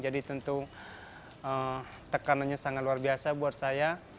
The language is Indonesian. jadi tentu tekanannya sangat luar biasa buat saya